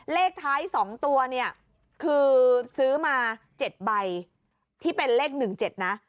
เลขท้ายสองตัวเนี่ยคือซื้อมาเจ็ดใบที่เป็นเลขหนึ่งเจ็ดนะ